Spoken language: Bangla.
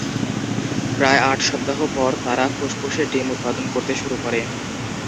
প্রায় আট সপ্তাহ পর, তারা ফুসফুসে ডিম উৎপাদন করতে শুরু করে।